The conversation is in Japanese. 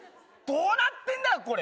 どうなってんだよ？